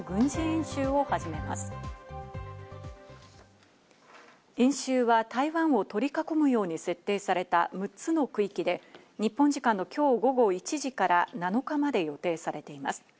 演習は台湾を取り囲むように設定された６つの区域で、日本時間の今日午後１時から７日まで予定されています。